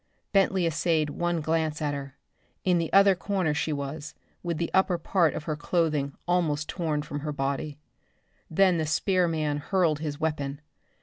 Bentley essayed one glance at her. In the other corner she was, with the upper part of her clothing almost torn from her body. Then the spearman hurled his weapon.